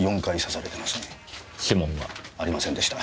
指紋は？ありませんでした。